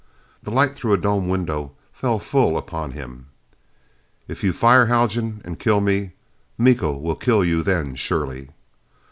The light through a dome window fell full on him. "If you fire, Haljan, and kill me Miko will kill you then, surely."